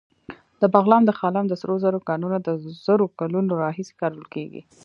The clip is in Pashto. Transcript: د بغلان د خلم د سرو زرو کانونه د زرو کلونو راهیسې کارول کېږي